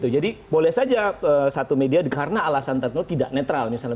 jadi boleh saja satu media karena alasan tentu tidak netral